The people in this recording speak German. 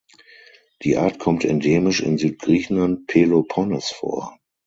Die Art kommt endemisch in Südgriechenland (Peloponnes) vor.